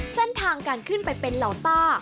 เส้นทางการขึ้นไปเป็นเหล่าต้า